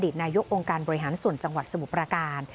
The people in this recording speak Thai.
ตนายกองค์การบริหารส่วนจังหวัดสมุทรประการ